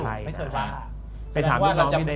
แล้วผมจะไปถามหลาย